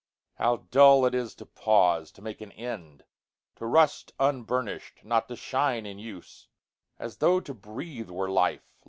How dull it is to pause, to make an end, To rust unburnish'd, not to shine in use! As tho' to breathe were life.